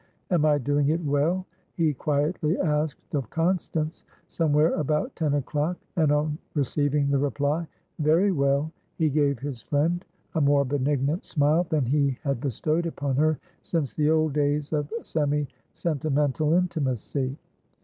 "Am I doing it well?" he quietly asked of Constance, somewhere about ten o'clock, and on receiving the reply, "Very well," he gave his friend a more benignant smile than he had bestowed upon her since the old days of semi sentimental intimacy.